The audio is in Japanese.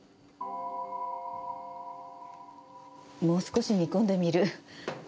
もう少し煮込んでみる。